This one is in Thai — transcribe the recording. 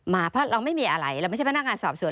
เพราะเราไม่มีอะไรเราไม่ใช่พนักงานสอบสวน